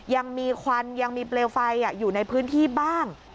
ยังมีควันยังมีเปลวไฟอยู่ในพื้นที่บ้าง